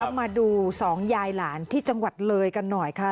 มาดูสองยายหลานที่จังหวัดเลยกันหน่อยค่ะ